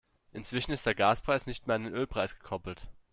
Inzwischen ist der Gaspreis nicht mehr an den Ölpreis gekoppelt.